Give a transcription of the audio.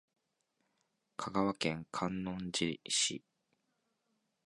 香川県観音寺市